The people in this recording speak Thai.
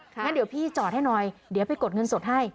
งั้นเดี๋ยวพี่จอดให้หน่อยเดี๋ยวไปกดเงินสดให้